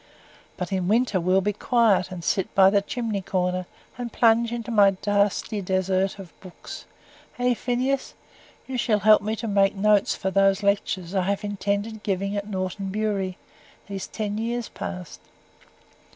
But in winter we'll be quiet, and sit by the chimney corner, and plunge into my dusty desert of books eh, Phineas? You shall help me to make notes for those lectures I have intended giving at Norton Bury, these ten years past.